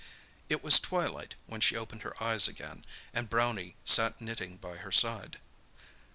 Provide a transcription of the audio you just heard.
It was twilight when she opened her eyes again, and Brownie sat knitting by her side.